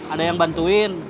ada yang bantuin